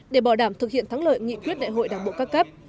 để bảo đảm thực hiện thắng lợi nghị quyết đại hội đảng bộ các cấp